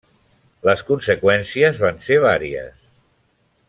Les conseqüències van ser vàries.